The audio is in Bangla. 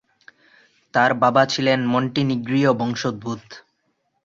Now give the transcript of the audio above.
তার বাবা ছিলেন মন্টিনিগ্রীয় বংশোদ্ভূত।